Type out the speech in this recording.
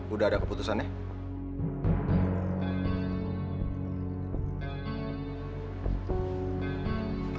udah ada keputusannya